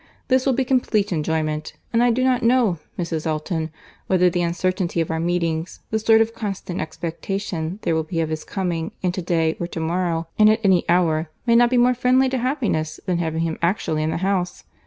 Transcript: This will be complete enjoyment; and I do not know, Mrs. Elton, whether the uncertainty of our meetings, the sort of constant expectation there will be of his coming in to day or to morrow, and at any hour, may not be more friendly to happiness than having him actually in the house.